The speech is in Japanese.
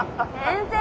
先生？